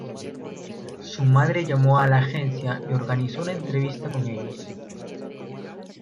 Su madre llamó a la agencia y organizó una entrevista con ellos.